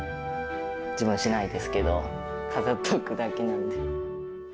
自分はしないですけど、飾っておくだけなんで。